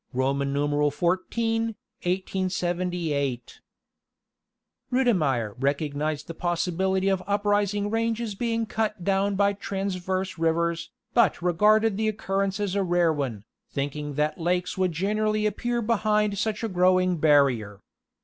Riitimeyer recognized the possibility of uprising ranges being cut down by transverse rivers, but regarded the occurrence as a rare one, thinking that lakes would generally appear behind such a, growing barrier.